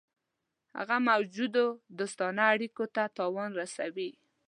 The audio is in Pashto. هغه موجودو دوستانه اړېکو ته تاوان رسوي.